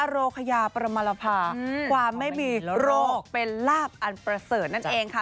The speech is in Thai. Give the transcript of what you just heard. โรคยาประมารภาความไม่มีโรคเป็นลาบอันประเสริฐนั่นเองค่ะ